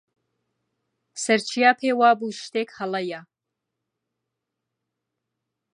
سەرچیا پێی وا بوو شتێک هەڵەیە.